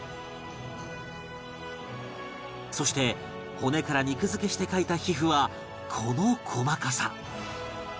そして骨から肉付けして描いた皮膚はこの細かさ